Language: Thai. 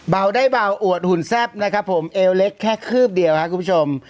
เบาได้เบาอวดหุ่นแซ่บนะครับผมเอวเล็กแค่คืบเดียวครับคุณผู้ชม